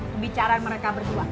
pembicaraan mereka berdua